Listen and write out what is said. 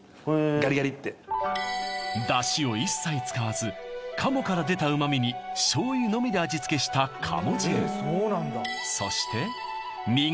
ガリガリって出汁を一切使わず鴨から出た旨味に醤油のみで味つけした鴨汁そして新潟産コシヒカリ１粒１粒に